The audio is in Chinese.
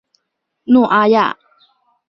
诺阿亚。